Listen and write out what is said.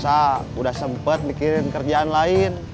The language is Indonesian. saya sama rosa udah sempet mikirin kerjaan lain